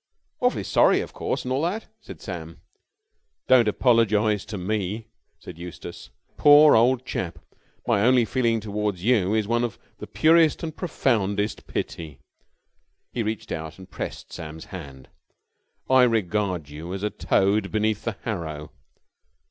"Awfully sorry, of course, and all that," said Sam. "Don't apologise to me!" said Eustace. "My poor old chap, my only feeling towards you is one of the purest and profoundest pity." He reached out and pressed Sam's hand. "I regard you as a toad beneath the harrow!"